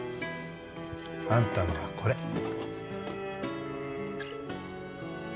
あんたのはこれ